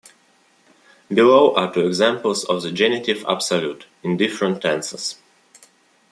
Below are two examples of the genitive absolute, in different tenses.